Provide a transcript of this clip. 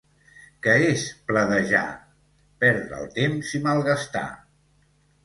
Què és pledejar? Perdre el temps i malgastar.